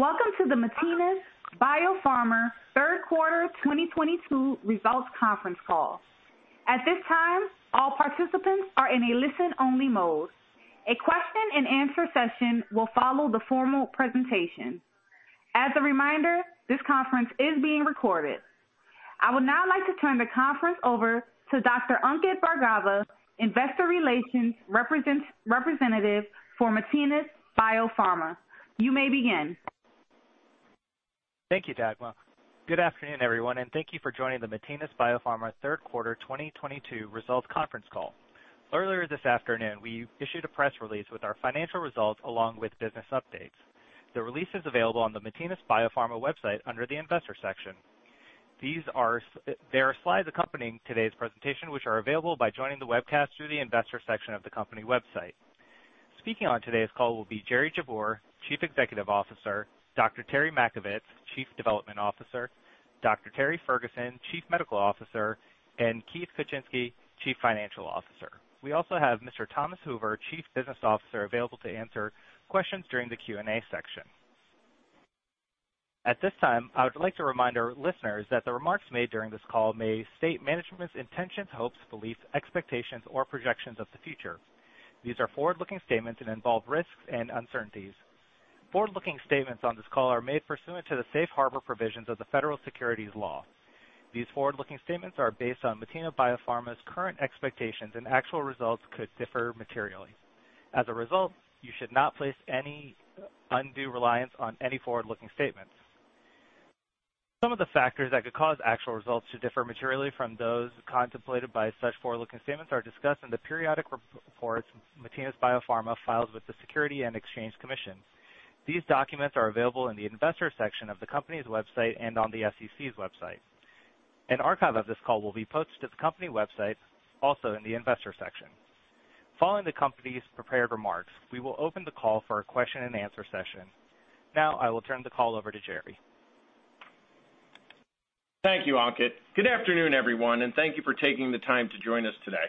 Welcome to the Matinas BioPharma third quarter 2022 results conference call. At this time, all participants are in a listen-only mode. A question and answer session will follow the formal presentation. As a reminder, this conference is being recorded. I would now like to turn the conference over to Dr. Ankit Bhargava, investor relations representative for Matinas BioPharma. You may begin. Thank you, Dagmar. Good afternoon, everyone, and thank you for joining the Matinas BioPharma third quarter 2022 results conference call. Earlier this afternoon, we issued a press release with our financial results along with business updates. The release is available on the Matinas BioPharma website under the investor section. There are slides accompanying today's presentation, which are available by joining the webcast through the investor section of the company website. Speaking on today's call will be Jerry Jabbour, Chief Executive Officer, Dr. Terry Matkovits, Chief Development Officer, Dr. Terry Ferguson, Chief Medical Officer, and Keith Kucinski, Chief Financial Officer. We also have Mr. Thomas Hoover, Chief Business Officer, available to answer questions during the Q&A section. At this time, I would like to remind our listeners that the remarks made during this call may state management's intentions, hopes, beliefs, expectations, or projections of the future. These are forward-looking statements and involve risks and uncertainties. Forward-looking statements on this call are made pursuant to the Safe Harbor Provisions of the Federal Securities Laws. These forward-looking statements are based on Matinas BioPharma's current expectations and actual results could differ materially. As a result, you should not place any undue reliance on any forward-looking statements. Some of the factors that could cause actual results to differ materially from those contemplated by such forward-looking statements are discussed in the periodic reports Matinas BioPharma files with the Securities and Exchange Commission. These documents are available in the investor section of the company's website and on the SEC's website. An archive of this call will be posted to the company website also in the investor section. Following the company's prepared remarks, we will open the call for a question and answer session. Now I will turn the call over to Jerry. Thank you, Ankit. Good afternoon, everyone, and thank you for taking the time to join us today.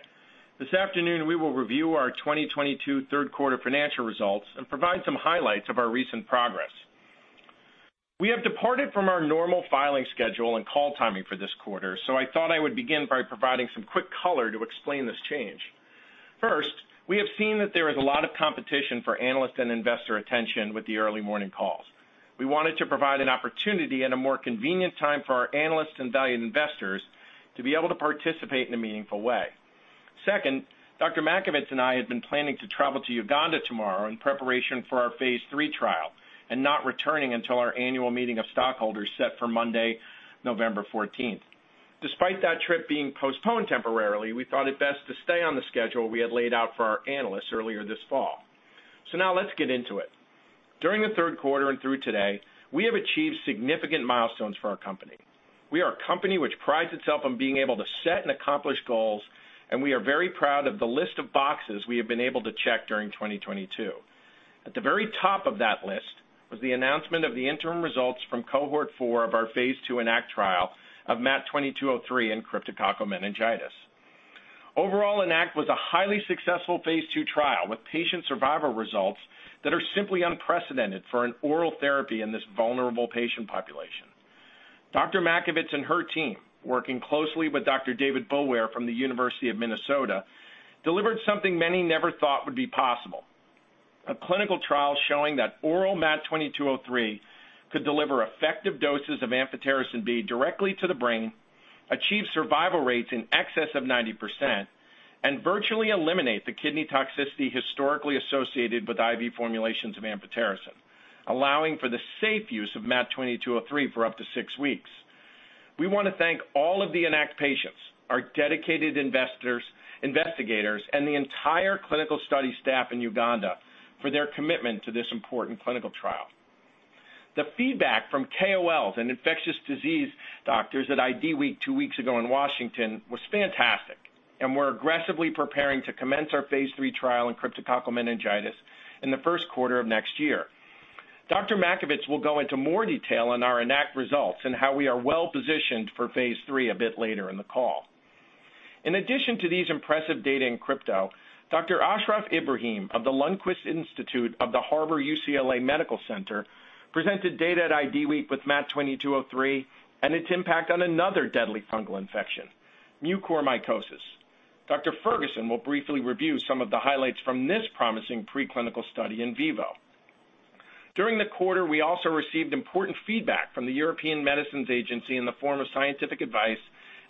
This afternoon, we will review our 2022 third quarter financial results and provide some highlights of our recent progress. We have departed from our normal filing schedule and call timing for this quarter, so I thought I would begin by providing some quick color to explain this change. First, we have seen that there is a lot of competition for analyst and investor attention with the early morning calls. We wanted to provide an opportunity at a more convenient time for our analysts and valued investors to be able to participate in a meaningful way. Second, Dr. Matkovits and I had been planning to travel to Uganda tomorrow in preparation for our phase III trial and not returning until our annual meeting of stockholders set for Monday, November 14th. Despite that trip being postponed temporarily, we thought it best to stay on the schedule we had laid out for our analysts earlier this fall. Now let's get into it. During the third quarter and through today, we have achieved significant milestones for our company. We are a company which prides itself on being able to set and accomplish goals, and we are very proud of the list of boxes we have been able to check during 2022. At the very top of that list was the announcement of the interim results from cohort 4 of our phase I ENACT trial of MAT2203 and cryptococcal meningitis. Overall, ENACT was a highly successful phase II trial with patient survival results that are simply unprecedented for an oral therapy in this vulnerable patient population. Dr. Matkovits and her team, working closely with Dr. David Boulware from the University of Minnesota delivered something many never thought would be possible. A clinical trial showing that oral MAT2203 could deliver effective doses of amphotericin B directly to the brain, achieve survival rates in excess of 90%, and virtually eliminate the kidney toxicity historically associated with IV formulations of amphotericin, allowing for the safe use of MAT2203 for up to six weeks. We want to thank all of the ENACT patients, our dedicated investigators, and the entire clinical study staff in Uganda for their commitment to this important clinical trial. The feedback from KOLs and infectious disease doctors at IDWeek two weeks ago in Washington was fantastic, and we're aggressively preparing to commence our phase III trial in cryptococcal meningitis in the first quarter of next year. Dr. Matkovits will go into more detail on our ENACT results and how we are well-positioned for phase III a bit later in the call. In addition to these impressive data in crypto, Dr. Ashraf Ibrahim of The Lundquist Institute at Harbor-UCLA Medical Center presented data at IDWeek with MAT2203 and its impact on another deadly fungal infection, mucormycosis. Dr. Ferguson will briefly review some of the highlights from this promising preclinical study in vivo. During the quarter, we also received important feedback from the European Medicines Agency in the form of scientific advice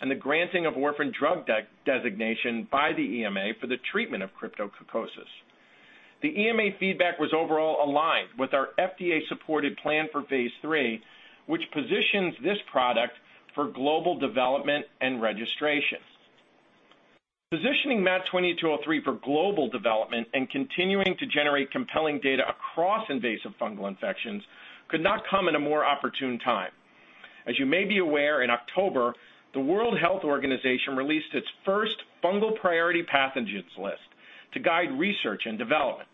and the granting of orphan drug designation by the EMA for the treatment of cryptococcosis. The EMA feedback was overall aligned with our FDA-supported plan for phase III, which positions this product for global development and registration. Positioning MAT2203 for global development and continuing to generate compelling data across invasive fungal infections could not come at a more opportune time. As you may be aware, in October, the World Health Organization released its first fungal priority pathogens list to guide research and development.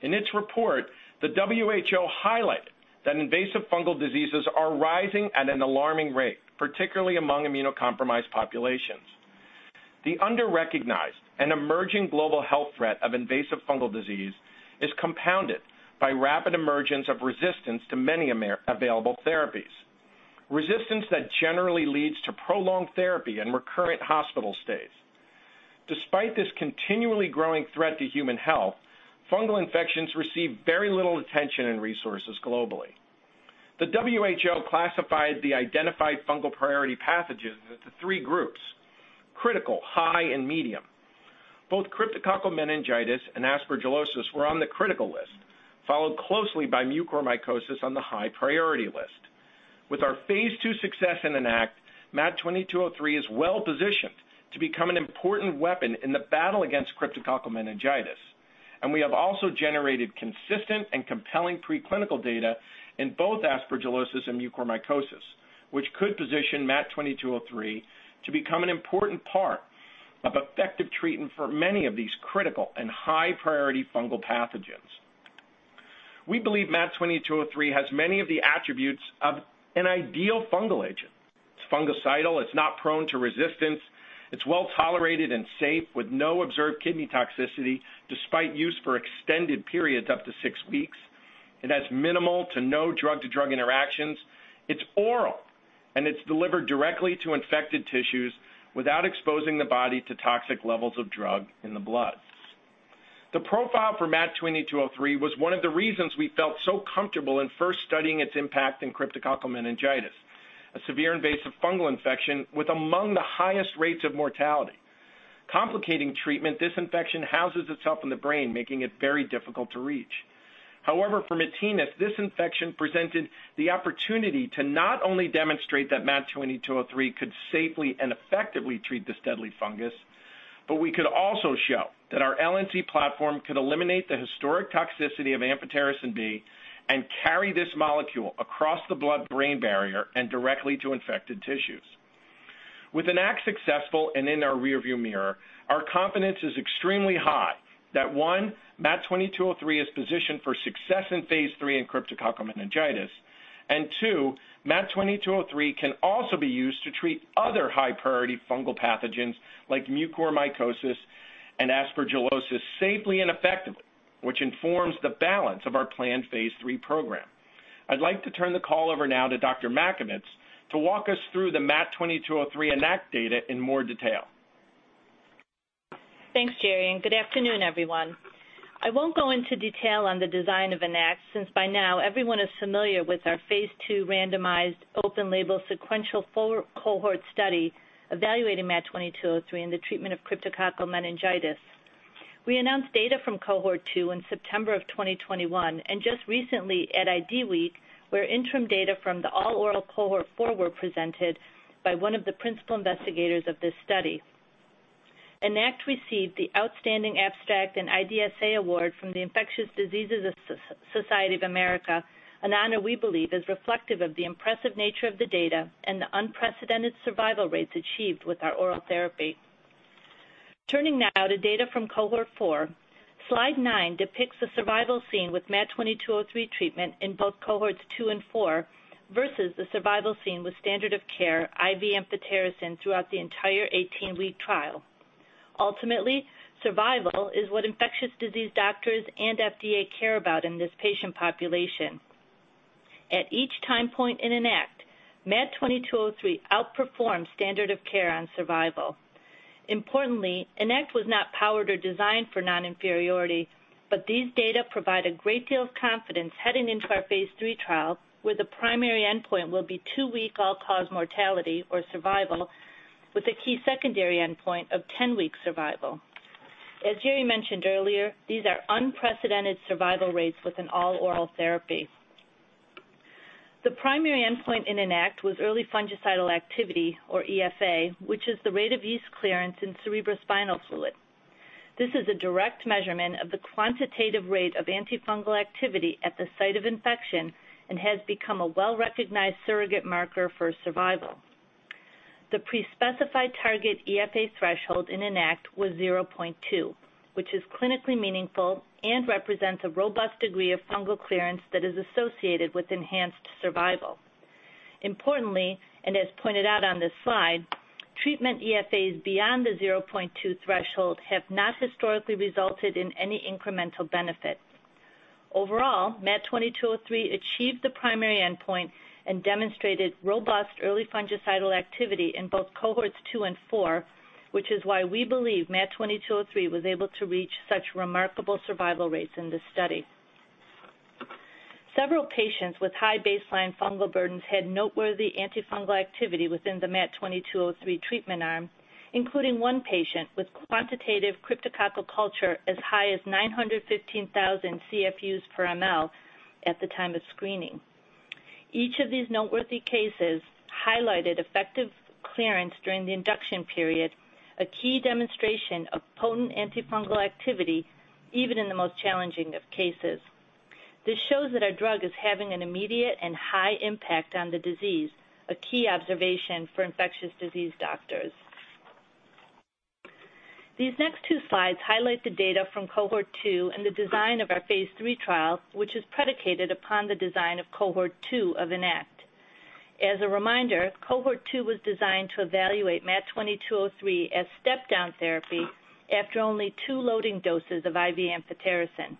In its report, the WHO highlighted that invasive fungal diseases are rising at an alarming rate, particularly among immunocompromised populations. The underrecognized and emerging global health threat of invasive fungal disease is compounded by rapid emergence of resistance to many available therapies, resistance that generally leads to prolonged therapy and recurrent hospital stays. Despite this continually growing threat to human health, fungal infections receive very little attention and resources globally. The WHO classified the identified fungal priority pathogens into three groups, critical, high, and medium. Both cryptococcal meningitis and aspergillosis were on the critical list, followed closely by mucormycosis on the high priority list. With our phase II success in ENACT, MAT2203 is well-positioned to become an important weapon in the battle against cryptococcal meningitis. We have also generated consistent and compelling preclinical data in both aspergillosis and mucormycosis, which could position MAT2203 to become an important part of effective treatment for many of these critical and high-priority fungal pathogens. We believe MAT2203 has many of the attributes of an ideal fungal agent. It's fungicidal. It's not prone to resistance. It's well-tolerated and safe with no observed kidney toxicity, despite use for extended periods up to 6 weeks. It has minimal to no drug-to-drug interactions. It's oral, and it's delivered directly to infected tissues without exposing the body to toxic levels of drug in the blood. The profile for MAT2203 was one of the reasons we felt so comfortable in first studying its impact in cryptococcal meningitis, a severe invasive fungal infection with among the highest rates of mortality. Complicating treatment, this infection houses itself in the brain, making it very difficult to reach. However, for Matinas, this infection presented the opportunity to not only demonstrate that MAT2203 could safely and effectively treat this deadly fungus, but we could also show that our LNC platform could eliminate the historic toxicity of amphotericin B and carry this molecule across the blood-brain barrier and directly to infected tissues. With ENACT successful and in our rear view mirror, our confidence is extremely high that, one, MAT2203 is positioned for success in phase III in cryptococcal meningitis. 2, MAT2203 can also be used to treat other high-priority fungal pathogens like mucormycosis and aspergillosis safely and effectively, which informs the balance of our planned phase III program. I'd like to turn the call over now to Dr. Matkovits to walk us through the MAT2203 ENACT data in more detail. Thanks, Jerry, and good afternoon, everyone. I won't go into detail on the design of ENACT, since by now everyone is familiar with our phase II randomized open label sequential 4-cohort study evaluating MAT2203 in the treatment of cryptococcal meningitis. We announced data from cohort 2 in September of 2021, and just recently at IDWeek, where interim data from the all-oral cohort 4 were presented by one of the principal investigators of this study. ENACT received the Outstanding Abstract and IDSA Award from the Infectious Diseases Society of America, an honor we believe is reflective of the impressive nature of the data and the unprecedented survival rates achieved with our oral therapy. Turning now to data from cohort 4, slide 9 depicts the survival scene with MAT2203 treatment in both cohorts 2 and 4, versus the survival scene with standard of care IV amphotericin throughout the entire 18-week trial. Ultimately, survival is what infectious disease doctors and FDA care about in this patient population. At each time point in ENACT, MAT2203 outperforms standard of care on survival. Importantly, ENACT was not powered or designed for non-inferiority, but these data provide a great deal of confidence heading into our phase III trial, where the primary endpoint will be 2-week all-cause mortality or survival, with a key secondary endpoint of 10-week survival. As Jerry mentioned earlier, these are unprecedented survival rates with an all-oral therapy. The primary endpoint in ENACT was early fungicidal activity or EFA, which is the rate of yeast clearance in cerebrospinal fluid. This is a direct measurement of the quantitative rate of antifungal activity at the site of infection and has become a well-recognized surrogate marker for survival. The pre-specified target EFA threshold in ENACT was 0.2, which is clinically meaningful and represents a robust degree of fungal clearance that is associated with enhanced survival. Importantly, and as pointed out on this slide, treatment EFAs beyond the 0.2 threshold have not historically resulted in any incremental benefit. Overall, MAT2203 achieved the primary endpoint and demonstrated robust early fungicidal activity in both cohorts 2 and 4, which is why we believe MAT2203 was able to reach such remarkable survival rates in this study. Several patients with high baseline fungal burdens had noteworthy antifungal activity within the MAT2203 treatment arm, including one patient with quantitative cryptococcal culture as high as 915,000 CFU/mL at the time of screening. Each of these noteworthy cases highlighted effective clearance during the induction period, a key demonstration of potent antifungal activity even in the most challenging of cases. This shows that our drug is having an immediate and high impact on the disease, a key observation for infectious disease doctors. These next two slides highlight the data from cohort two and the design of our phase III trial, which is predicated upon the design of cohort two of ENACT. As a reminder, cohort two was designed to evaluate MAT2203 as step-down therapy after only two loading doses of IV amphotericin.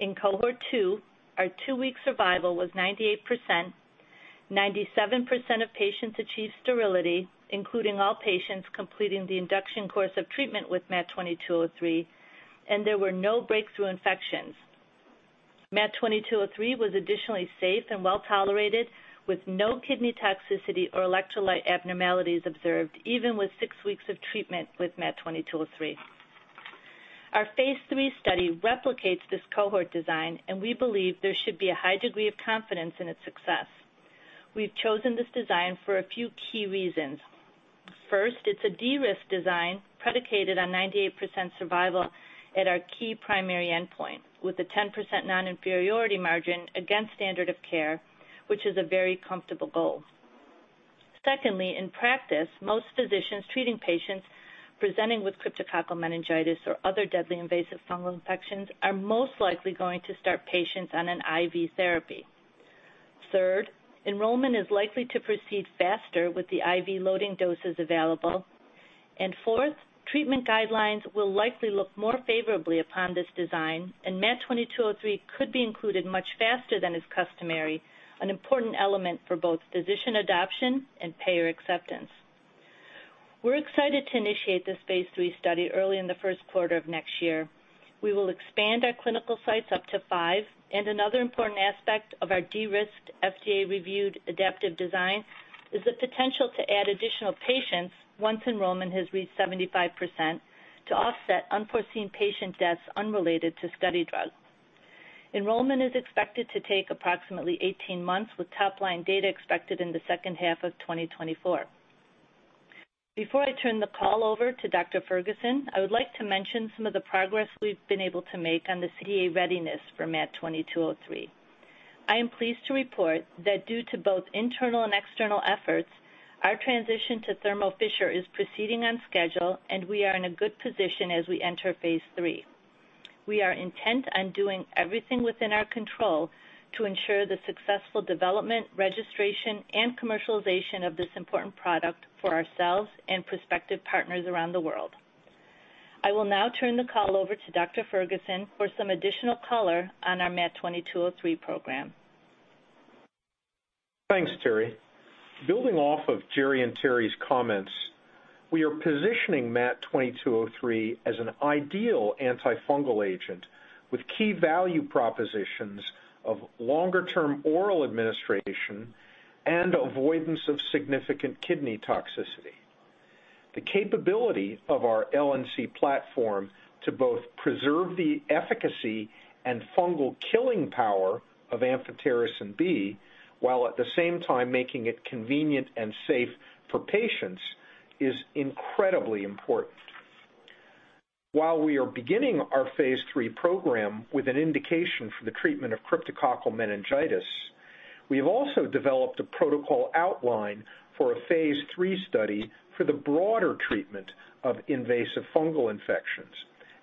In cohort two, our two-week survival was 98%. 97% of patients achieved sterility, including all patients completing the induction course of treatment with MAT2203, and there were no breakthrough infections. MAT2203 was additionally safe and well-tolerated, with no kidney toxicity or electrolyte abnormalities observed, even with six weeks of treatment with MAT2203. Our phase III study replicates this cohort design, and we believe there should be a high degree of confidence in its success. We've chosen this design for a few key reasons. First, it's a de-risk design predicated on 98% survival at our key primary endpoint, with a 10% non-inferiority margin against standard of care, which is a very comfortable goal. Secondly, in practice, most physicians treating patients presenting with cryptococcal meningitis or other deadly invasive fungal infections are most likely going to start patients on an IV therapy. Third, enrollment is likely to proceed faster with the IV loading doses available. Fourth, treatment guidelines will likely look more favorably upon this design, and MAT2203 could be included much faster than is customary, an important element for both physician adoption and payer acceptance. We're excited to initiate this phase III study early in the first quarter of next year. We will expand our clinical sites up to five, and another important aspect of our de-risked FDA-reviewed adaptive design is the potential to add additional patients once enrollment has reached 75% to offset unforeseen patient deaths unrelated to study drugs. Enrollment is expected to take approximately 18 months, with top-line data expected in the second half of 2024. Before I turn the call over to Dr. Ferguson. Ferguson, I would like to mention some of the progress we've been able to make on the CMC readiness for MAT 2203. I am pleased to report that due to both internal and external efforts, our transition to Thermo Fisher is proceeding on schedule, and we are in a good position as we enter phase III. We are intent on doing everything within our control to ensure the successful development, registration, and commercialization of this important product for ourselves and prospective partners around the world. I will now turn the call over to Dr. Ferguson for some additional color on our MAT 2203 program. Thanks, Terry. Building off of Jerry and Terry's comments, we are positioning MAT 2203 as an ideal antifungal agent with key value propositions of longer-term oral administration and avoidance of significant kidney toxicity. The capability of our LNC platform to both preserve the efficacy and fungal killing power of amphotericin B, while at the same time making it convenient and safe for patients, is incredibly important. While we are beginning our phase III program with an indication for the treatment of cryptococcal meningitis, we have also developed a protocol outline for a phase III study for the broader treatment of invasive fungal infections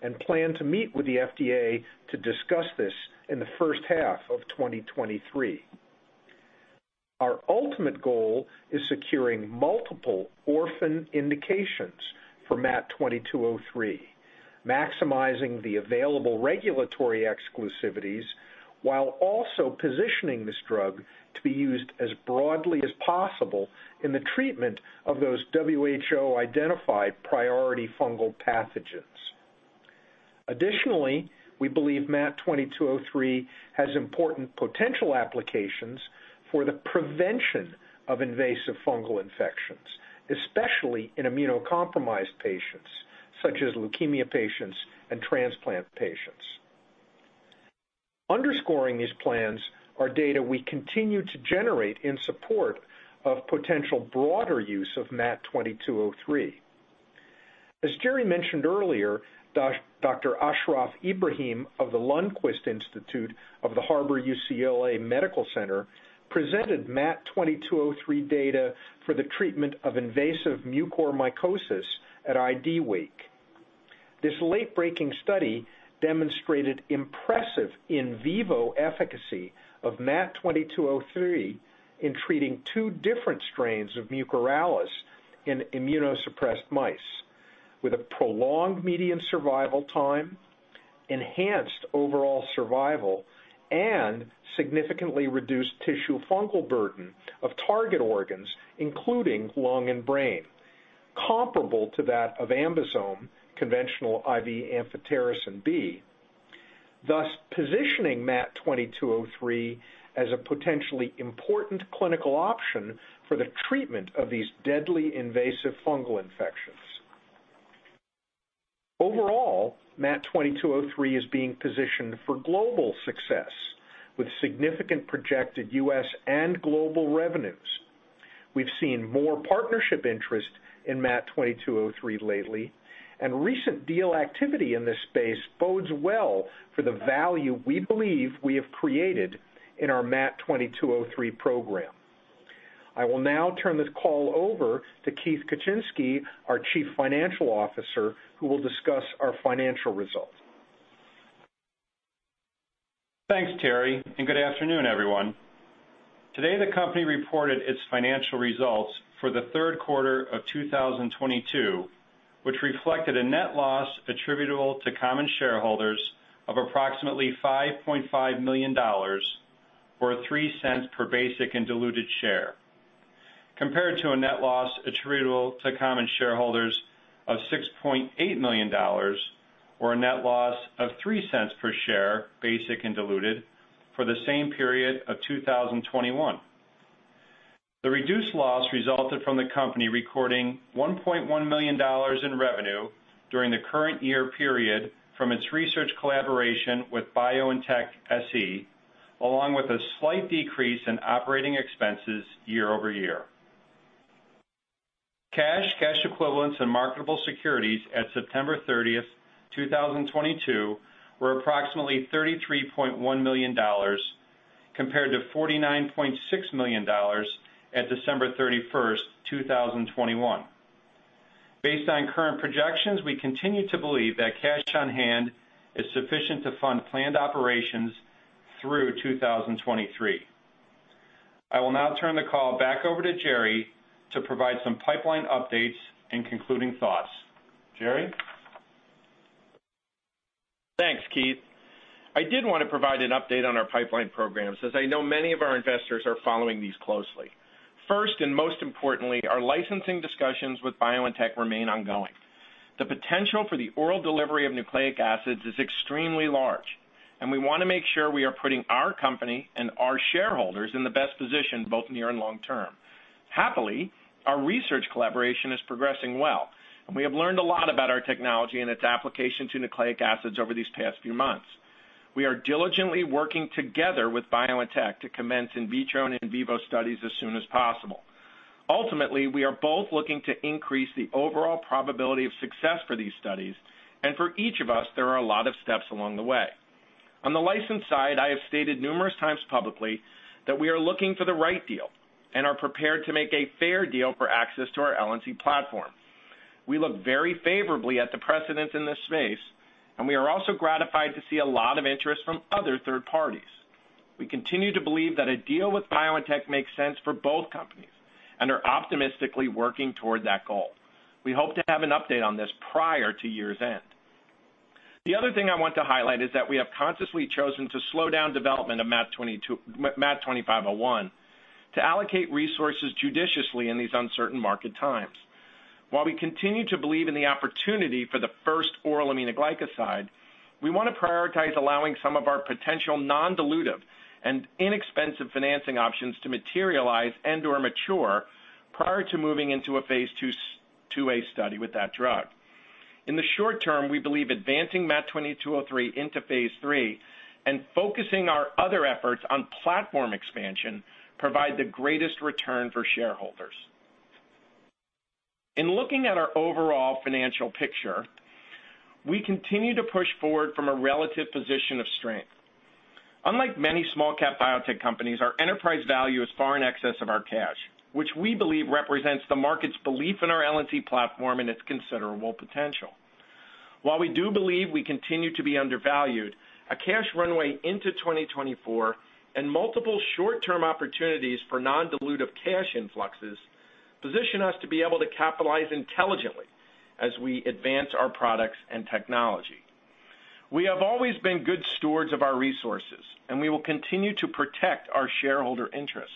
and plan to meet with the FDA to discuss this in the first half of 2023. Our ultimate goal is securing multiple orphan indications for MAT2203, maximizing the available regulatory exclusivities while also positioning this drug to be used as broadly as possible in the treatment of those WHO-identified priority fungal pathogens. Additionally, we believe MAT2203 has important potential applications for the prevention of invasive fungal infections, especially in immunocompromised patients such as leukemia patients and transplant patients. Underscoring these plans are data we continue to generate in support of potential broader use of MAT2203. As Jerry mentioned earlier, Dr. Ashraf Ibrahim of the Lundquist Institute at Harbor-UCLA Medical Center presented MAT2203 data for the treatment of invasive mucormycosis at IDWeek. This late-breaking study demonstrated impressive in vivo efficacy of MAT2203 in treating two different strains of Mucorales in immunosuppressed mice, with a prolonged median survival time, enhanced overall survival, and significantly reduced tissue fungal burden of target organs, including lung and brain, comparable to that of AmBisome, conventional IV amphotericin B, thus positioning MAT2203 as a potentially important clinical option for the treatment of these deadly invasive fungal infections. Overall, MAT2203 is being positioned for global success, with significant projected U.S. and global revenues. We've seen more partnership interest in MAT2203 lately, and recent deal activity in this space bodes well for the value we believe we have created in our MAT2203 program. I will now turn this call over to Keith Kucinski, our Chief Financial Officer, who will discuss our financial results. Thanks, Terry, and good afternoon, everyone. Today, the company reported its financial results for the third quarter of 2022, which reflected a net loss attributable to common shareholders of approximately $5.5 million or $0.03 per basic and diluted share, compared to a net loss attributable to common shareholders of $6.8 million or a net loss of $0.03 per share, basic and diluted, for the same period of 2021. The reduced loss resulted from the company recording $1.1 million in revenue during the current year period from its research collaboration with BioNTech SE, along with a slight decrease in operating expenses year-over-year. Cash, cash equivalents and marketable securities at September 30th, 2022 were approximately $33.1 million compared to $49.6 million at December 31st, 2021. Based on current projections, we continue to believe that cash on hand is sufficient to fund planned operations through 2023. I will now turn the call back over to Jerry to provide some pipeline updates and concluding thoughts. Jerry? Thanks, Keith. I did wanna provide an update on our pipeline programs, as I know many of our investors are following these closely. First, and most importantly, our licensing discussions with BioNTech remain ongoing. The potential for the oral delivery of nucleic acids is extremely large, and we wanna make sure we are putting our company and our shareholders in the best position, both near and long term. Happily, our research collaboration is progressing well, and we have learned a lot about our technology and its application to nucleic acids over these past few months. We are diligently working together with BioNTech to commence in vitro and in vivo studies as soon as possible. Ultimately, we are both looking to increase the overall probability of success for these studies, and for each of us, there are a lot of steps along the way. On the license side, I have stated numerous times publicly that we are looking for the right deal and are prepared to make a fair deal for access to our LNC platform. We look very favorably at the precedents in this space, and we are also gratified to see a lot of interest from other third parties. We continue to believe that a deal with BioNTech makes sense for both companies and are optimistically working toward that goal. We hope to have an update on this prior to year's end. The other thing I want to highlight is that we have consciously chosen to slow down development of MAT 2501 to allocate resources judiciously in these uncertain market times. While we continue to believe in the opportunity for the first oral aminoglycoside, we wanna prioritize allowing some of our potential non-dilutive and inexpensive financing options to materialize and/or mature prior to moving into a phase II/phase II-A study with that drug. In the short term, we believe advancing MAT2203 into phase III and focusing our other efforts on platform expansion provide the greatest return for shareholders. In looking at our overall financial picture, we continue to push forward from a relative position of strength. Unlike many small cap biotech companies, our enterprise value is far in excess of our cash, which we believe represents the market's belief in our LNC platform and its considerable potential. While we do believe we continue to be undervalued, a cash runway into 2024 and multiple short-term opportunities for non-dilutive cash influxes position us to be able to capitalize intelligently as we advance our products and technology. We have always been good stewards of our resources, and we will continue to protect our shareholder interests.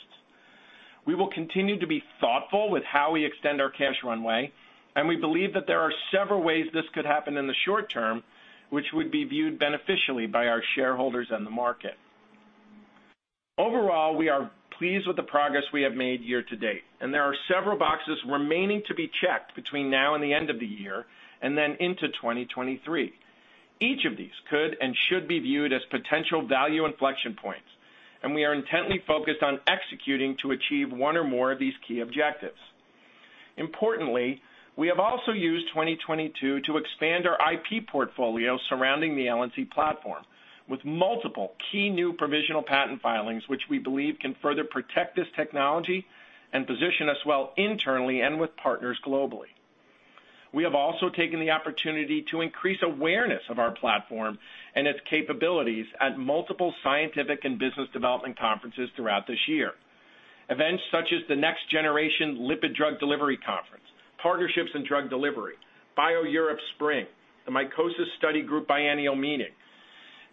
We will continue to be thoughtful with how we extend our cash runway, and we believe that there are several ways this could happen in the short term, which would be viewed beneficially by our shareholders and the market. Overall, we are pleased with the progress we have made year to date, and there are several boxes remaining to be checked between now and the end of the year, and then into 2023. Each of these could and should be viewed as potential value inflection points, and we are intently focused on executing to achieve one or more of these key objectives. Importantly, we have also used 2022 to expand our IP portfolio surrounding the LNC platform with multiple key new provisional patent filings, which we believe can further protect this technology and position us well internally and with partners globally. We have also taken the opportunity to increase awareness of our platform and its capabilities at multiple scientific and business development conferences throughout this year. Events such as the Next Generation Lipid-Based Nanoparticles Delivery Summit, Partnerships in Drug Delivery, BIO-Europe Spring, the Mycosis Study Group Biennial Meeting,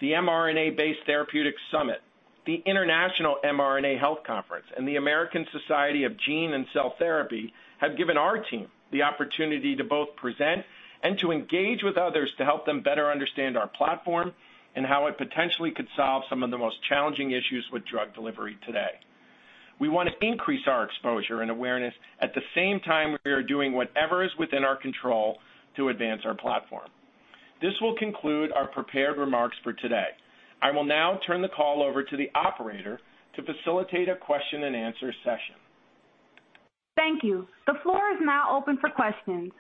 the mRNA-Based Therapeutics Summit, the International mRNA Health Conference, and the American Society of Gene & Cell Therapy have given our team the opportunity to both present and to engage with others to help them better understand our platform and how it potentially could solve some of the most challenging issues with drug delivery today. We wanna increase our exposure and awareness. At the same time, we are doing whatever is within our control to advance our platform. This will conclude our prepared remarks for today. I will now turn the call over to the operator to facilitate a question and answer session. Thank you. The floor is now open for questions.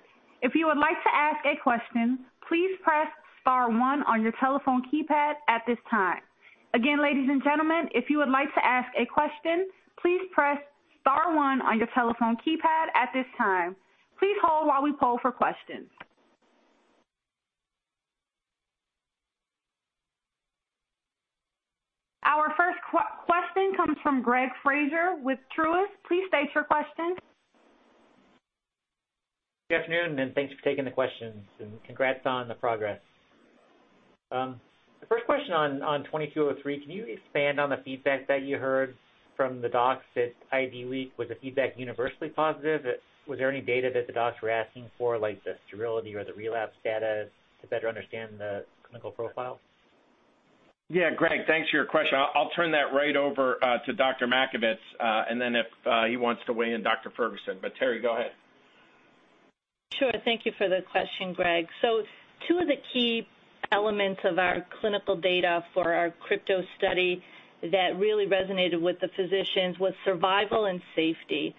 If you would like to ask a question, please press star one on your telephone keypad at this time. Again, ladies and gentlemen, if you would like to ask a question, please press star one on your telephone keypad at this time. Please hold while we poll for questions. Our first question comes from Greg Fraser with Truist. Please state your question. Good afternoon, and thanks for taking the questions, and congrats on the progress. The first question on MAT2203, can you expand on the feedback that you heard from the docs at IDWeek? Was the feedback universally positive? Was there any data that the docs were asking for, like the sterility or the relapse data to better understand the clinical profile? Yeah. Greg, thanks for your question. I'll turn that right over to Dr. Matkovits, and then if he wants to weigh in, Dr. Ferguson. Terry, go ahead. Sure. Thank you for the question, Greg. Two of the key elements of our clinical data for our crypto study that really resonated with the physicians was survival and safety.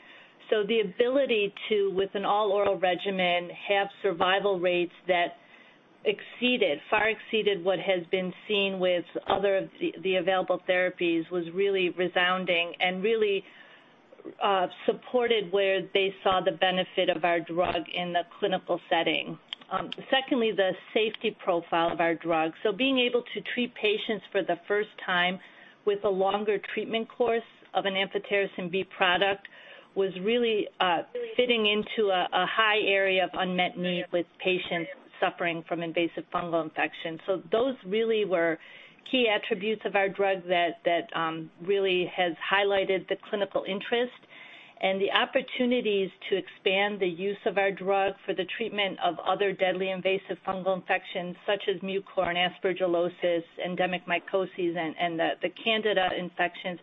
The ability to, with an all-oral regimen, have survival rates that exceeded, far exceeded what has been seen with other of the available therapies was really resounding and really supported where they saw the benefit of our drug in the clinical setting. Secondly, the safety profile of our drug. Being able to treat patients for the first time with a longer treatment course of an amphotericin B product was really fitting into a high area of unmet need with patients suffering from invasive fungal infections. Those really were key attributes of our drug that really has highlighted the clinical interest and the opportunities to expand the use of our drug for the treatment of other deadly invasive fungal infections such as Mucor and aspergillosis, endemic mycoses and the Candida infections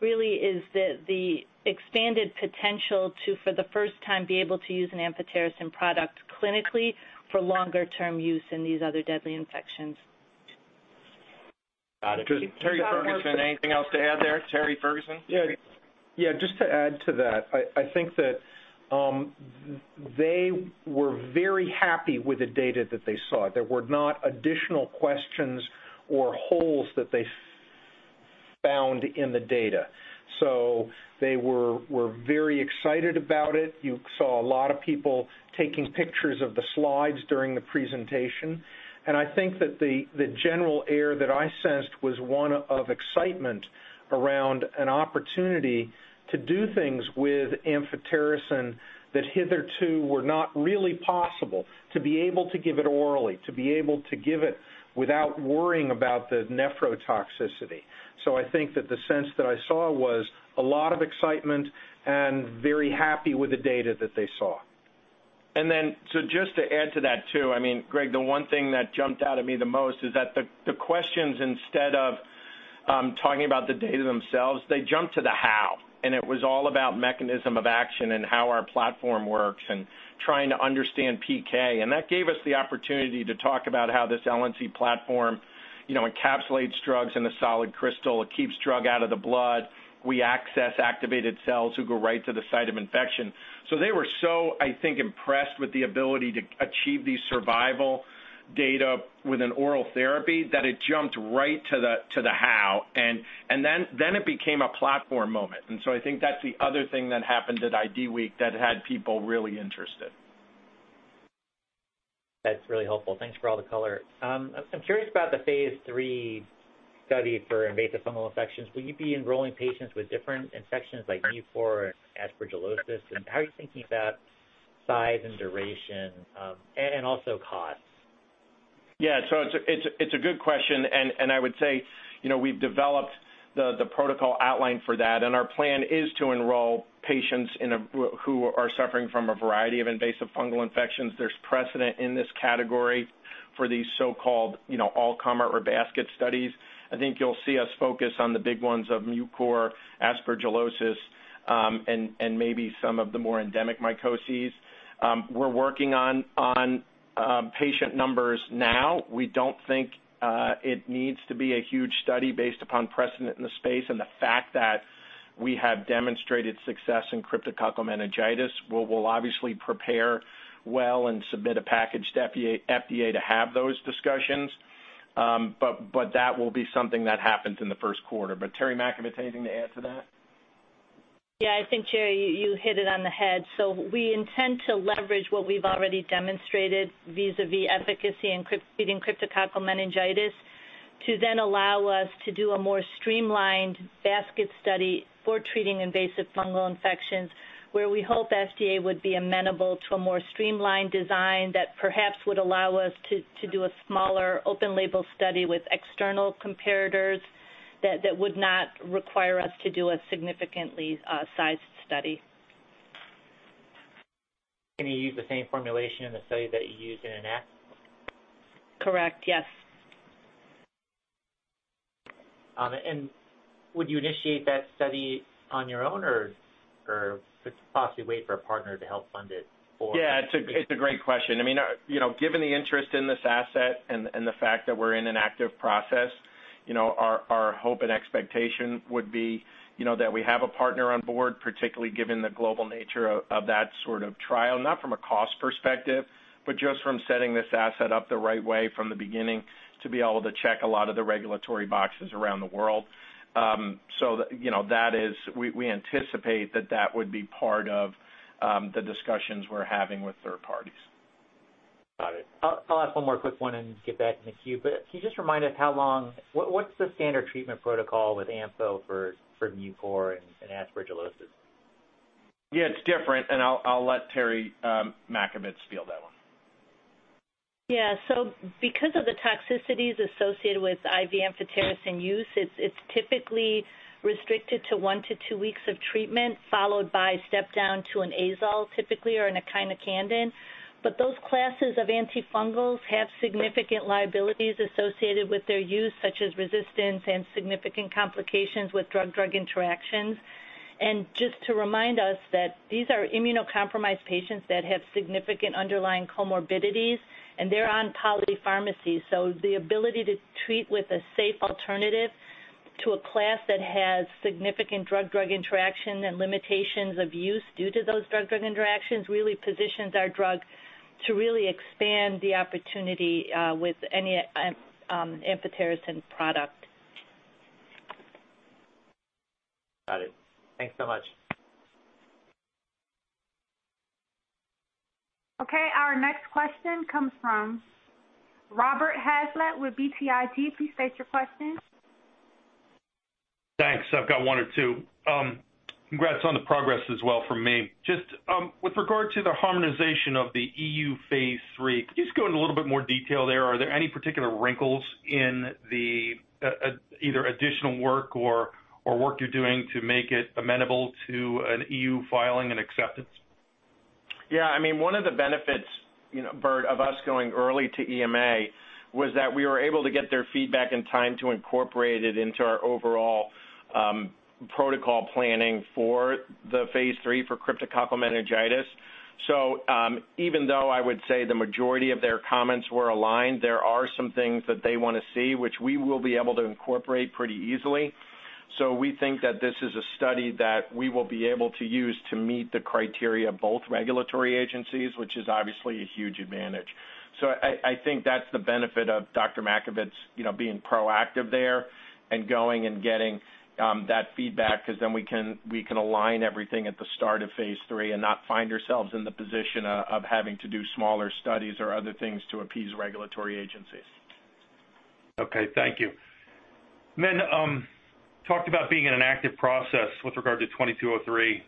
really is the expanded potential to for the first time be able to use an amphotericin product clinically for longer-term use in these other deadly infections. Got it. Terry Ferguson, anything else to add there? Terry Ferguson? Yeah, just to add to that, I think that they were very happy with the data that they saw. There were not additional questions or holes that they found in the data, so they were very excited about it. You saw a lot of people taking pictures of the slides during the presentation, and I think that the general air that I sensed was one of excitement around an opportunity to do things with amphotericin that hitherto were not really possible, to be able to give it orally, to be able to give it without worrying about the nephrotoxicity. I think that the sense that I saw was a lot of excitement and very happy with the data that they saw. Just to add to that too, I mean, Greg, the one thing that jumped out at me the most is that the questions, instead of talking about the data themselves, jumped to the how, and it was all about mechanism of action and how our platform works and trying to understand PK. That gave us the opportunity to talk about how this LNC platform, you know, encapsulates drugs in a solid crystal. It keeps drug out of the blood. We access activated cells who go right to the site of infection. They were so impressed with the ability to achieve these survival data with an oral therapy that it jumped right to the how and then it became a platform moment. I think that's the other thing that happened at IDWeek that had people really interested. That's really helpful. Thanks for all the color. I'm curious about the phase III study for invasive fungal infections. Will you be enrolling patients with different infections like Mucor and aspergillosis? How are you thinking about size and duration, and also costs? Yeah. It's a good question. I would say, you know, we've developed the protocol outline for that, and our plan is to enroll patients who are suffering from a variety of invasive fungal infections. There's precedent in this category for these so-called, you know, all-comer or basket studies. I think you'll see us focus on the big ones of Mucor, aspergillosis, and maybe some of the more endemic mycoses. We're working on patient numbers now. We don't think it needs to be a huge study based upon precedent in the space and the fact that we have demonstrated success in cryptococcal meningitis. We'll obviously prepare well and submit a package to FDA to have those discussions. That will be something that happens in the first quarter. Theresa Matkovits, anything to add to that? Yeah. I think, Jerry, you hit it on the head. We intend to leverage what we've already demonstrated vis-à-vis efficacy in treating cryptococcal meningitis to then allow us to do a more streamlined basket study for treating invasive fungal infections, where we hope FDA would be amenable to a more streamlined design that perhaps would allow us to do a smaller open label study with external comparators that would not require us to do a significantly sized study. Can you use the same formulation in the study that you used in ENACT? Correct. Yes. Would you initiate that study on your own or possibly wait for a partner to help fund it or? Yeah, it's a great question. I mean, you know, given the interest in this asset and the fact that we're in an active process, you know, our hope and expectation would be, you know, that we have a partner on board, particularly given the global nature of that sort of trial, not from a cost perspective, but just from setting this asset up the right way from the beginning to be able to check a lot of the regulatory boxes around the world. So, you know, that is. We anticipate that that would be part of the discussions we're having with third parties. I'll add one more quick one and get back in the queue. Can you just remind us how long? What's the standard treatment protocol with ampho for Mucor and aspergillosis? Yeah, it's different, and I'll let Theresa Matkovits field that one. Because of the toxicities associated with IV amphotericin use, it's typically restricted to one to two weeks of treatment, followed by step down to an azole, typically, or an echinocandin. Those classes of antifungals have significant liabilities associated with their use, such as resistance and significant complications with drug-drug interactions. Just to remind us that these are immunocompromised patients that have significant underlying comorbidities, and they're on polypharmacy. The ability to treat with a safe alternative to a class that has significant drug-drug interaction and limitations of use due to those drug-drug interactions really positions our drug to really expand the opportunity with any amphotericin product. Got it. Thanks so much. Okay, our next question comes from Robert Hazlett with BTIG. Please state your question. Thanks. I've got one or two. Congrats on the progress as well from me. Just, with regard to the harmonization of the EU phase III, can you just go into a little bit more detail there? Are there any particular wrinkles in the either additional work or work you're doing to make it amenable to an EU filing and acceptance? Yeah, I mean, one of the benefits, you kno w, Bert, of us going early to EMA was that we were able to get their feedback in time to incorporate it into our overall protocol planning for the phase III for cryptococcal meningitis. Even though I would say the majority of their comments were aligned, there are some things that they wanna see, which we will be able to incorporate pretty easily. We think that this is a study that we will be able to use to meet the criteria of both regulatory agencies, which is obviously a huge advantage. I think that's the benefit of Dr. Matkovits, you know, being proactive there and going and getting that feedback 'cause then we can align everything at the start of phase III and not find ourselves in the position of having to do smaller studies or other things to appease regulatory agencies. Okay, thank you. Talked about being in an active process with regard to MAT2203.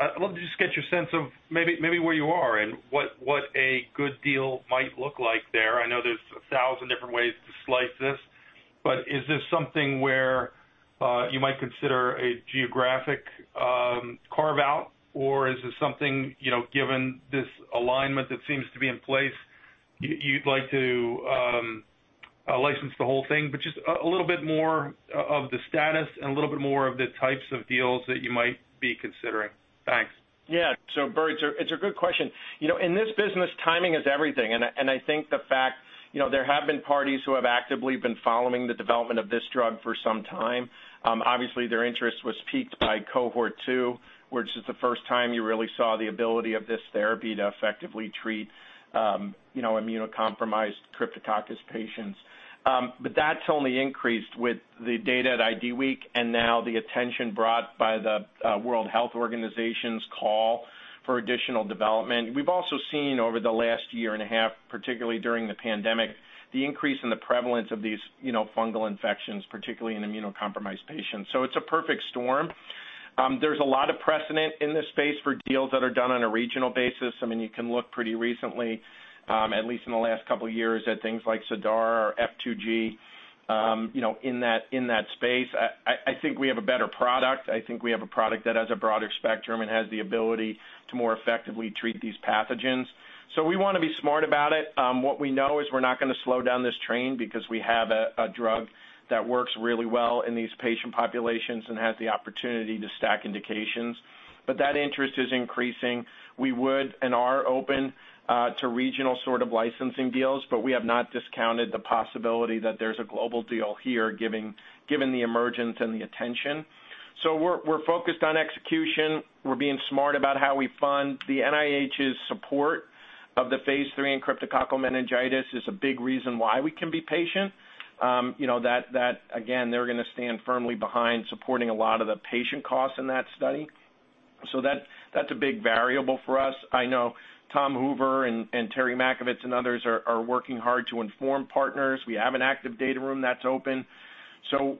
I'd love to just get your sense of maybe where you are and what a good deal might look like there. I know there's 1,000 different ways to slice this, but is this something where you might consider a geographic carve out, or is this something, you know, given this alignment that seems to be in place, you'd like to license the whole thing? Just a little bit more of the status and a little bit more of the types of deals that you might be considering. Thanks. Yeah. Bert, it's a good question. You know, in this business, timing is everything, and I think the fact, you know, there have been parties who have actively been following the development of this drug for some time. Obviously, their interest was piqued by Cohort 2, which is the first time you really saw the ability of this therapy to effectively treat, you know, immunocompromised Cryptococcus patients. But that's only increased with the data at IDWeek and now the attention brought by the World Health Organization's call for additional development. We've also seen over the last year and a half, particularly during the pandemic, the increase in the prevalence of these, you know, fungal infections, particularly in immunocompromised patients. It's a perfect storm. There's a lot of precedent in this space for deals that are done on a regional basis. I mean, you can look pretty recently, at least in the last couple of years, at things like Cidara or F2G, you know, in that space. I think we have a better product. I think we have a product that has a broader spectrum and has the ability to more effectively treat these pathogens. We wanna be smart about it. What we know is we're not gonna slow down this train because we have a drug that works really well in these patient populations and has the opportunity to stack indications. That interest is increasing. We would and are open to regional sort of licensing deals, but we have not discounted the possibility that there's a global deal here giving. Given the emergence and the attention. We're focused on execution. We're being smart about how we fund. The NIH's support of the phase III in cryptococcal meningitis is a big reason why we can be patient. You know, that again, they're gonna stand firmly behind supporting a lot of the patient costs in that study, so that's a big variable for us. I know Tom Hoover and Theresa Matkovits and others are working hard to inform partners. We have an active data room that's open.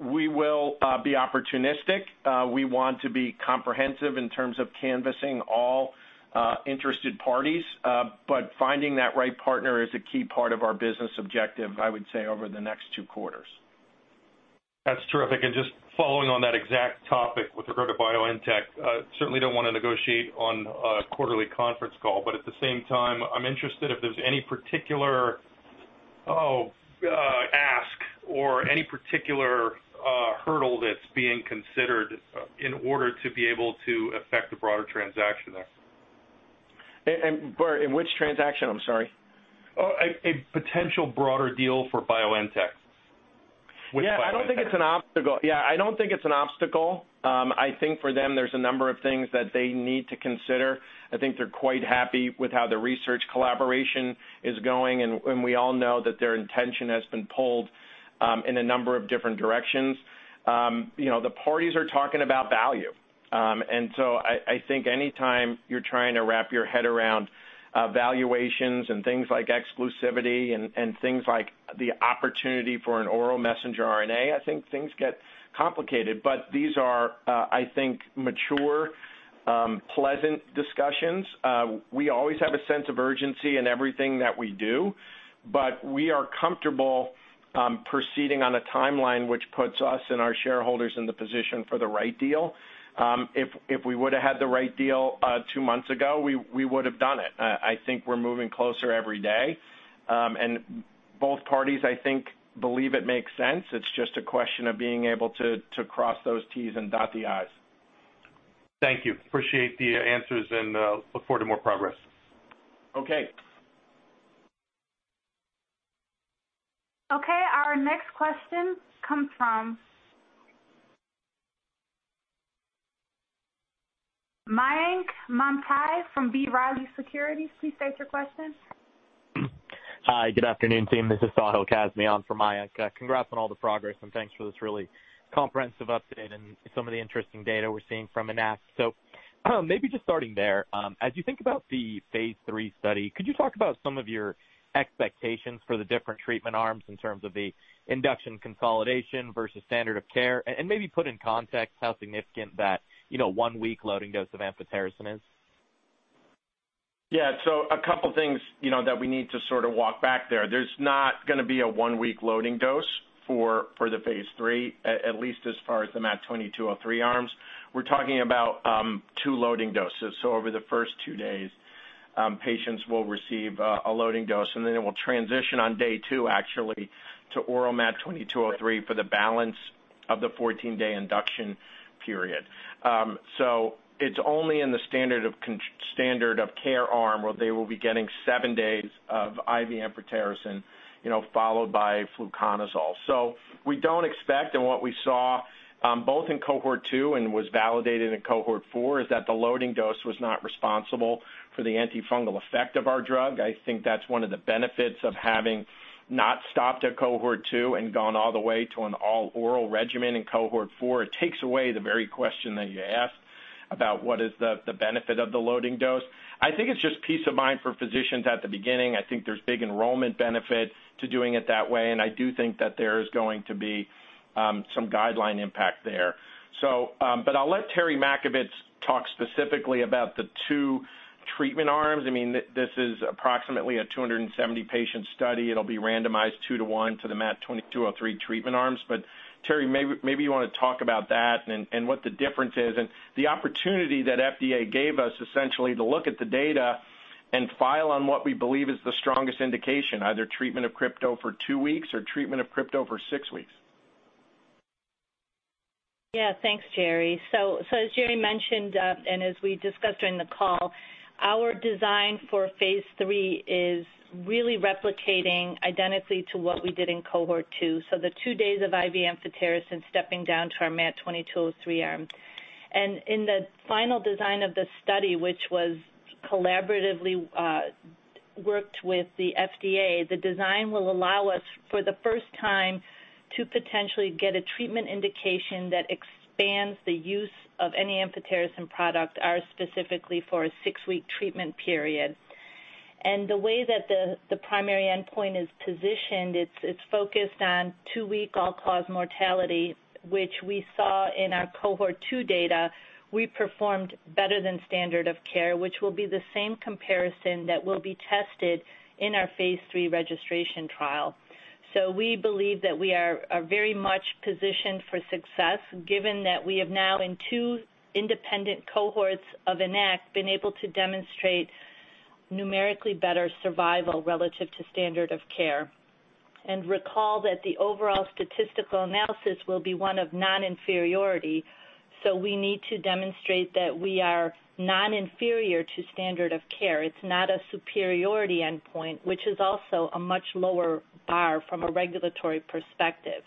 We will be opportunistic. We want to be comprehensive in terms of canvassing all interested parties. But finding that right partner is a key part of our business objective, I would say, over the next two quarters. That's terrific. Just following on that exact topic with regard to BioNTech, certainly don't wanna negotiate on a quarterly conference call, but at the same time, I'm interested if there's any particular ask or any particular hurdle that's being considered in order to be able to effect the broader transaction there. Bert, in which transaction? I'm sorry. A potential broader deal for BioNTech. With BioNTech. Yeah, I don't think it's an obstacle. I think for them, there's a number of things that they need to consider. I think they're quite happy with how the research collaboration is going, and we all know that their intention has been pulled in a number of different directions. You know, the parties are talking about value. I think anytime you're trying to wrap your head around valuations and things like exclusivity and things like the opportunity for an oral messenger RNA, I think things get complicated. These are, I think, mature, pleasant discussions. We always have a sense of urgency in everything that we do, but we are comfortable proceeding on a timeline which puts us and our shareholders in the position for the right deal. If we would've had the right deal two months ago, we would've done it. I think we're moving closer every day. Both parties, I think, believe it makes sense. It's just a question of being able to cross those T's and dot the I's. Thank you. Appreciate the answers and look forward to more progress. Okay. Okay, our next question comes from Mayank Mamtani from B. Riley Securities. Please state your question. Hi, good afternoon, team. This is Sahil Kazmi on for. Congrats on all the progress, and thanks for this really comprehensive update and some of the interesting data we're seeing from ENACT. Maybe just starting there, as you think about the phase III study, could you talk about some of your expectations for the different treatment arms in terms of the induction consolidation versus standard of care, and maybe put in context how significant that, you know, 1-week loading dose of amphotericin is? Yeah. A couple things, you know, that we need to sort of walk back there. There's not gonna be a 1-week loading dose for the phase III, at least as far as the MAT2203 arms. We're talking about 2 loading doses. Over the first 2 days, patients will receive a loading dose, and then it will transition on day 2, actually, to oral MAT2203 for the balance of the 14-day induction period. It's only in the standard of care arm where they will be getting 7 days of IV amphotericin, you know, followed by fluconazole. We don't expect, and what we saw both in cohort 2 and was validated in cohort 4, is that the loading dose was not responsible for the antifungal effect of our drug. I think that's one of the benefits of having not stopped at cohort 2 and gone all the way to an all-oral regimen in cohort 4. It takes away the very question that you asked about what is the benefit of the loading dose. I think it's just peace of mind for physicians at the beginning. I think there's big enrollment benefit to doing it that way, and I do think that there is going to be some guideline impact there. I'll let Theresa Matkovits talk specifically about the two treatment arms. I mean, this is approximately a 270-patient study. It'll be randomized 2 to 1 to the MAT 2203 treatment arms. Theresa, maybe you wanna talk about that and what the difference is and the opportunity that FDA gave us, essentially, to look at the data and file on what we believe is the strongest indication, either treatment of crypto for 2 weeks or treatment of crypto for 6 weeks. Yeah. Thanks, Jerry. As Jerry mentioned, and as we discussed during the call, our design for phase three is really replicating identically to what we did in cohort two, so the 2 days of IV amphotericin stepping down to our MAT 2203 arm. In the final design of the study, which was collaboratively worked with the FDA, the design will allow us, for the first time, to potentially get a treatment indication that expands the use of any amphotericin product, ours specifically, for a 6-week treatment period. The way that the primary endpoint is positioned, it's focused on 2-week all-cause mortality, which we saw in our cohort two data, we performed better than standard of care, which will be the same comparison that will be tested in our phase three registration trial. We believe that we are very much positioned for success given that we have now, in 2 independent cohorts of ENACT, been able to demonstrate numerically better survival relative to standard of care. Recall that the overall statistical analysis will be one of non-inferiority, so we need to demonstrate that we are non-inferior to standard of care. It's not a superiority endpoint, which is also a much lower bar from a regulatory perspective.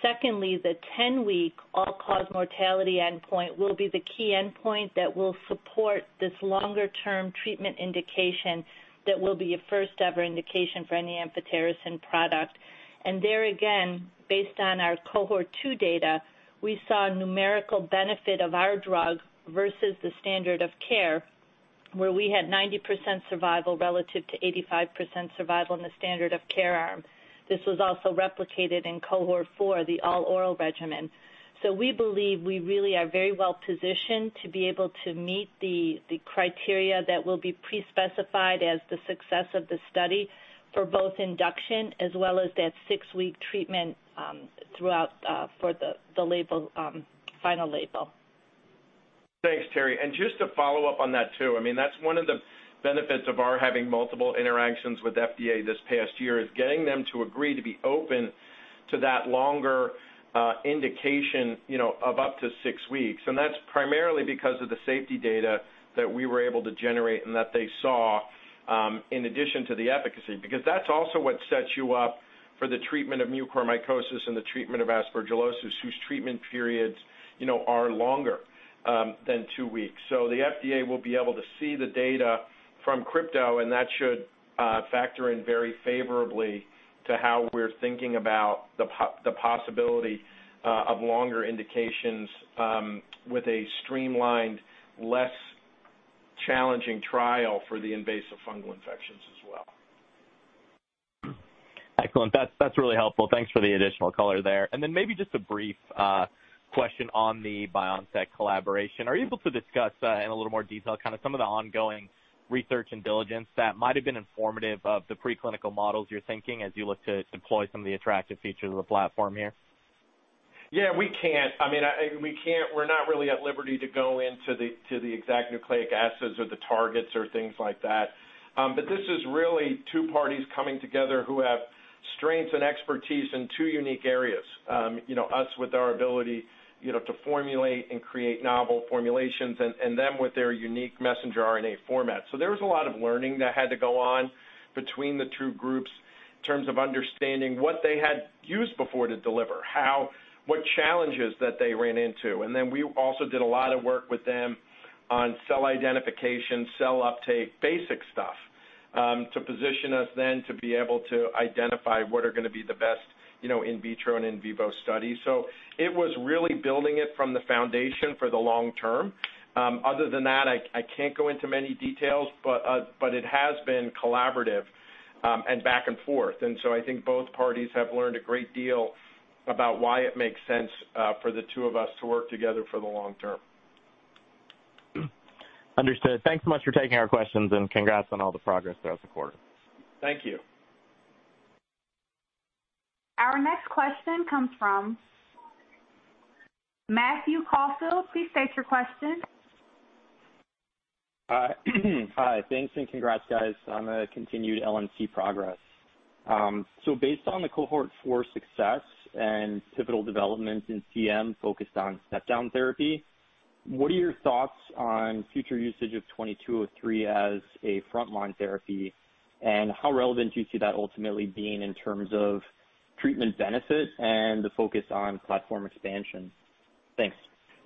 Secondly, the 10-week all-cause mortality endpoint will be the key endpoint that will support this longer-term treatment indication that will be a first-ever indication for any amphotericin product. There again, based on our cohort 2 data, we saw numerical benefit of our drug versus the standard of care, where we had 90% survival relative to 85% survival in the standard of care arm. This was also replicated in cohort 4, the all-oral regimen. We believe we really are very well positioned to be able to meet the criteria that will be pre-specified as the success of the study for both induction as well as that 6-week treatment, throughout for the label final label. Thanks, Theresa. Just to follow up on that too, I mean, that's one of the benefits of our having multiple interactions with FDA this past year is getting them to agree to be open to that longer indication, you know, of up to 6 weeks. That's primarily because of the safety data that we were able to generate and that they saw in addition to the efficacy. Because that's also what sets you up for the treatment of mucormycosis and the treatment of aspergillosis, whose treatment periods, you know, are longer than 2 weeks. The FDA will be able to see the data from crypto, and that should factor in very favorably to how we're thinking about the possibility of longer indications with a streamlined, less challenging trial for the invasive fungal infections as well. Excellent. That's really helpful. Thanks for the additional color there. Then maybe just a brief question on the BioNTech collaboration. Are you able to discuss in a little more detail kinda some of the ongoing research and diligence that might have been informative of the preclinical models you're thinking as you look to deploy some of the attractive features of the platform here? Yeah, we can't. I mean, we're not really at liberty to go into the exact nucleic acids or the targets or things like that. This is really two parties coming together who have strengths and expertise in two unique areas. You know, us with our ability, you know, to formulate and create novel formulations and them with their unique messenger RNA format. There was a lot of learning that had to go on between the two groups in terms of understanding what they had used before to deliver, what challenges that they ran into. Then we also did a lot of work with them on cell identification, cell uptake, basic stuff, to position us then to be able to identify what are gonna be the best, you know, in vitro and in vivo studies. It was really building it from the foundation for the long term. Other than that, I can't go into many details, but but it has been collaborative, and back and forth. I think both parties have learned a great deal about why it makes sense, for the two of us to work together for the long term. Understood. Thanks so much for taking our questions, and congrats on all the progress throughout the quarter. Thank you. Our next question comes from Matthew Kausal. Please state your question. Hi. Thanks, and congrats guys on the continued LNC progress. Based on the cohort 4 success and pivotal developments in CM focused on step-down therapy, what are your thoughts on future usage of MAT2203 as a frontline therapy, and how relevant do you see that ultimately being in terms of treatment benefit and the focus on platform expansion? Thanks.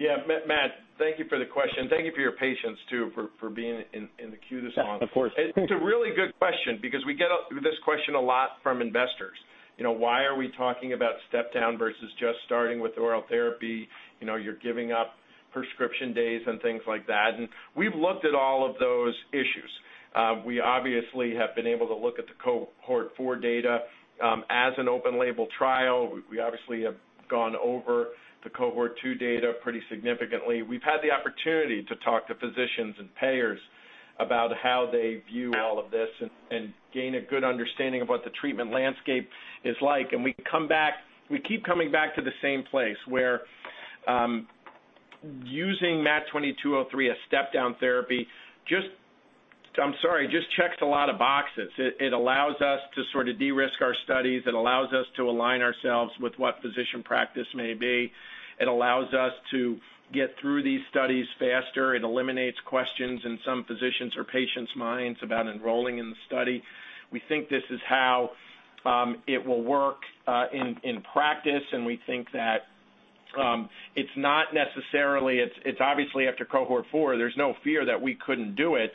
Yeah, Matt, thank you for the question. Thank you for your patience too for being in the queue this long. Yeah, of course. It's a really good question because we get this question a lot from investors. You know, why are we talking about step-down versus just starting with oral therapy? You know, you're giving up prescription days and things like that. We've looked at all of those issues. We obviously have been able to look at the cohort 4 data, as an open label trial. We obviously have gone over the cohort 2 data pretty significantly. We've had the opportunity to talk to physicians and payers about how they view all of this and gain a good understanding of what the treatment landscape is like. We come back. We keep coming back to the same place, where using MAT2203 as step-down therapy just checks a lot of boxes. It allows us to sort of de-risk our studies. It allows us to align ourselves with what physician practice may be. It allows us to get through these studies faster. It eliminates questions in some physicians or patients' minds about enrolling in the study. We think this is how it will work in practice, and we think that it's not necessarily. It's obviously after cohort four, there's no fear that we couldn't do it,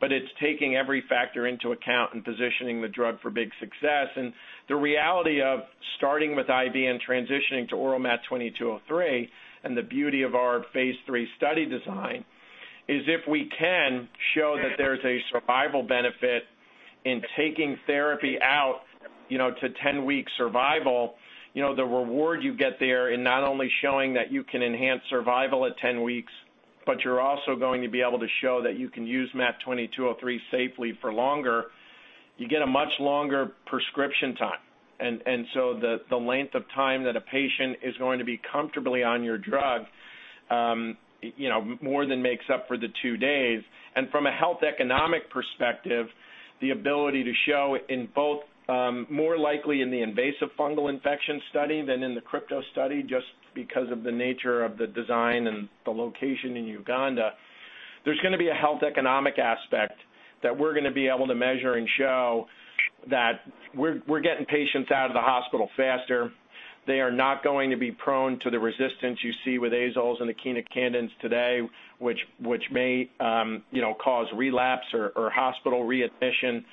but it's taking every factor into account and positioning the drug for big success. The reality of starting with IV and transitioning to oral MAT2203, and the beauty of our phase III study design, is if we can show that there's a survival benefit in taking therapy out, you know, to 10-week survival, you know, the reward you get there in not only showing that you can enhance survival at 10 weeks, but you're also going to be able to show that you can use MAT2203 safely for longer, you get a much longer prescription time. So the length of time that a patient is going to be comfortably on your drug, you know, more than makes up for the 2 days. From a health economic perspective, the ability to show in both, more likely in the invasive fungal infection study than in the crypto study just because of the nature of the design and the location in Uganda, there's gonna be a health economic aspect that we're gonna be able to measure and show that we're getting patients out of the hospital faster. They are not going to be prone to the resistance you see with azoles and the echinocandins today, which may, you know, cause relapse or hospital readmission.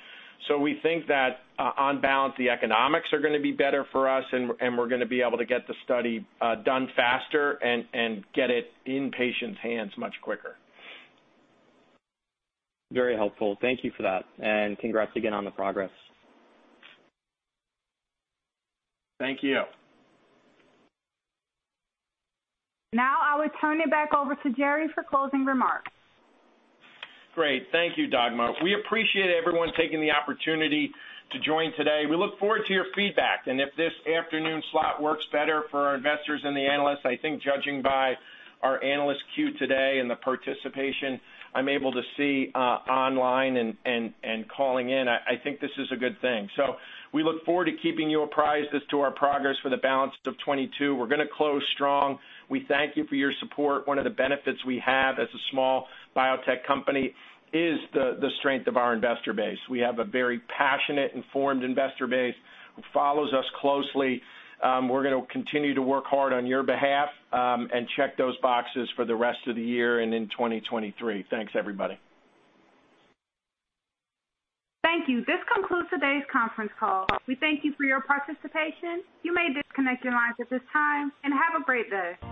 We think that on balance, the economics are gonna be better for us, and we're gonna be able to get the study done faster and get it in patients' hands much quicker. Very helpful. Thank you for that. Congrats again on the progress. Thank you. Now I will turn it back over to Jerry for closing remarks. Great. Thank you, Dagmar. We appreciate everyone taking the opportunity to join today. We look forward to your feedback. If this afternoon slot works better for our investors and the analysts, I think judging by our analyst queue today and the participation I'm able to see online and calling in, I think this is a good thing. We look forward to keeping you apprised as to our progress for the balance of 2022. We're gonna close strong. We thank you for your support. One of the benefits we have as a small biotech company is the strength of our investor base. We have a very passionate, informed investor base who follows us closely. We're gonna continue to work hard on your behalf and check those boxes for the rest of the year and in 2023. Thanks, everybody. Thank you. This concludes today's conference call. We thank you for your participation. You may disconnect your lines at this time, and have a great day.